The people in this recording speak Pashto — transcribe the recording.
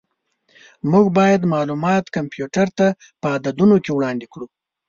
موږ باید معلومات کمپیوټر ته په عددونو کې وړاندې کړو.